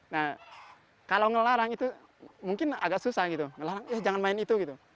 nah kalau ngelarang itu mungkin agak susah gitu ngelarang ya jangan main itu gitu